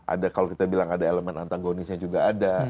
ada kalau kita bilang ada elemen antagonisnya juga ada